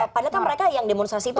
padahal kan mereka yang demonstrasi itu